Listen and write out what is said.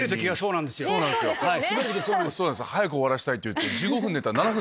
早く終わらせたいっていって。